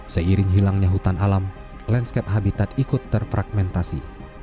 seiring hilangnya hutan alam landscape habitat ikut terpragmentasi